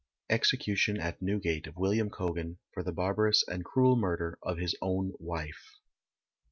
EXECUTION AT NEWGATE OF WILLIAM COGAN, For the barbarous and cruel murder of his own wife.